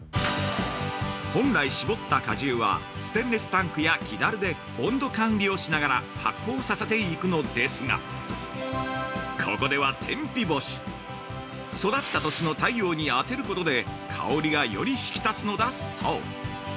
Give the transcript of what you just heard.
◆本来搾った果汁はステンレスタンクや木樽で温度管理をしながら発酵させていくのですがここでは天日干し。育った土地の太陽に当てることで香りがより引き立つのだそう。